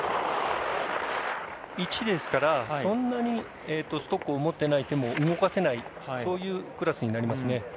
１ですからそんなにストックを持っていない手も動かせないというクラスになりますね。